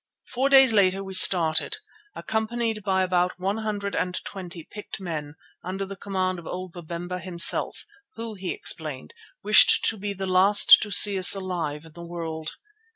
Four days later we started, accompanied by about one hundred and twenty picked men under the command of old Babemba himself, who, he explained, wished to be the last to see us alive in the world.